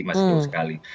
masih jauh sekali